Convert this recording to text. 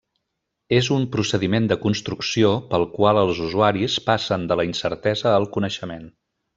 És un procediment de construcció pel qual els usuaris passen de la incertesa al coneixement.